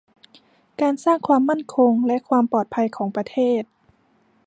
การสร้างความมั่นคงและความปลอดภัยของประเทศ